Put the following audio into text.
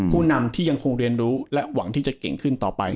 ผู้นำที่ยังคงเรียนรู้และหวังที่จะเก่งขึ้นต่อไป